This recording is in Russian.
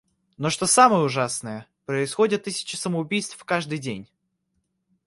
Но что самое ужасное, происходят тысячи самоубийств каждый день.